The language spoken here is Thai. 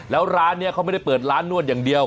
แล้วร้านนี้เขาไม่ได้เปิดร้านนวดอย่างเดียว